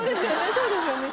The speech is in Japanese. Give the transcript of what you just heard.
そうですよね。